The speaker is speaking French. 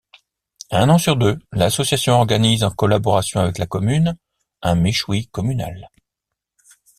Un an sur deux l'association organise en collaboration avec la commune, un méchoui communal.